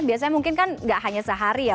biasanya mungkin kan gak hanya sehari ya